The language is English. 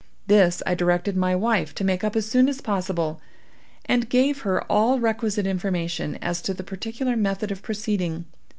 This I directed my wife to make up as soon as possible, and gave her all requisite information as to the particular method of proceeding.